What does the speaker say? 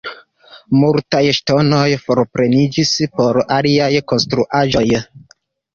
Multaj ŝtonoj forpreniĝis por aliaj konstruaĵoj.